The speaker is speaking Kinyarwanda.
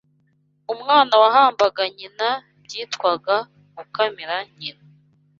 Umwana wahambaga nyina byitwaga gukamira nyina